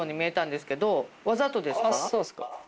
そうっすか？